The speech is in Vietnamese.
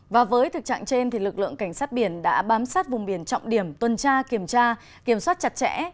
và với thực trạng trên lực lượng cảnh sát biển đã bám sát vùng biển trọng điểm tuần tra kiểm tra kiểm soát chặt chẽ